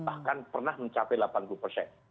bahkan pernah mencapai delapan puluh persen